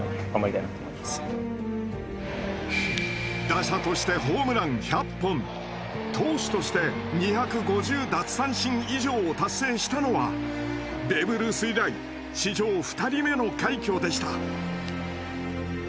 打者としてホームラン１００本投手として２５０奪三振以上を達成したのはベーブ・ルース以来史上２人目の快挙でした。